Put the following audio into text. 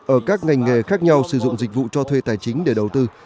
ở các ngành nghề khác nhau sử dụng dịch vụ cho thuê tài chính để đầu tư